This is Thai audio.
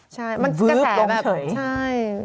ใช่มันกระแสแบบเฉยใช่